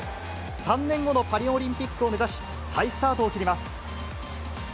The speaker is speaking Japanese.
３年後のパリオリンピックを目指し、再スタートを切ります。